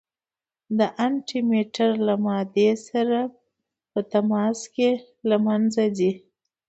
د انټي مټر له مادې سره په تماس کې له منځه ځي.